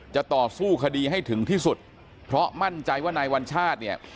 จะต่อสู้คดีให้ถึงที่สุดเพราะมั่นใจว่านายวัญชาติเนี่ย